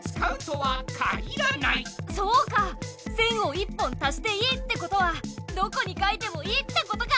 線を１本足していいってことはどこに書いてもいいってことか！